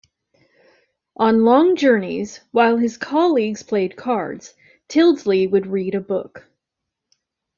On long journeys, while his colleagues played cards, Tyldesley would read a book.